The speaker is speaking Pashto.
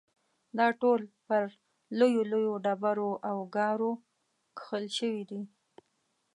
دا ټول پر لویو لویو ډبرو او ګارو کښل شوي دي.